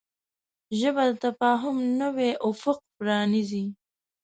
ژبه د تفاهم نوی افق پرانیزي